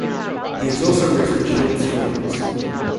He has also written short stories.